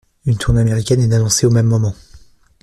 Une tournée américaine est annoncée au même moment.